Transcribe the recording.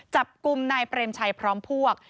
จับกลุ่มนายเปรมชัยพร้อมพวก